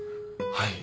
はい。